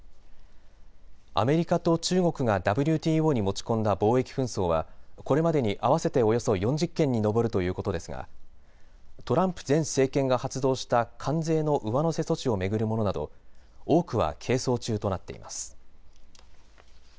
アメリカと中国がＷＴＯに持ち込んだ貿易紛争はこれまでに合わせておよそ４０件に上るということですがトランプ前政権が発動した関税の上乗せ措置を巡るものなど多くは係争中となっています。